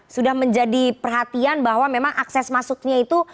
sudah menjadi perhatian bahwa memang akses masuknya itu